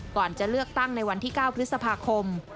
ก่อนจะเลือกตั้งในวันที่๙พฤษภาคม